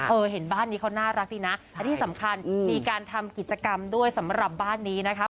เห็นบ้านนี้เขาน่ารักดีนะและที่สำคัญมีการทำกิจกรรมด้วยสำหรับบ้านนี้นะครับ